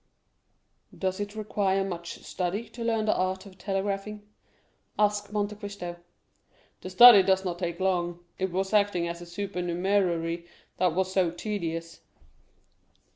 "Does it require much study to learn the art of telegraphing?" asked Monte Cristo. "The study does not take long; it was acting as a supernumerary that was so tedious."